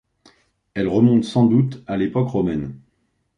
Elle remonte sans doute à l'époque romaine.